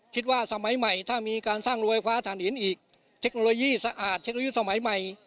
คิดว่าสมัยใหม่ถ้ามีการสร้างรวยคว้าฐานหินอีกเทคโนโลยีสะอาดเทคโนโลยีสมัยใหม่